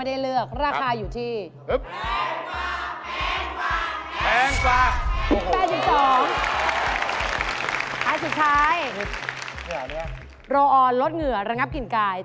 เลือกราคาอยู่ที่